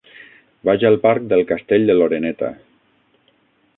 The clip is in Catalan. Vaig al parc del Castell de l'Oreneta.